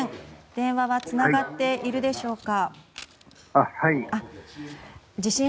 電話はつながっているでしょうか。